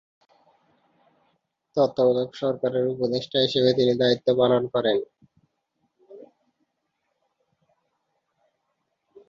তত্ত্বাবধায়ক সরকারের উপদেষ্টা হিসেবে তিনি দায়িত্ব পালন করেন।